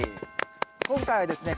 今回はですね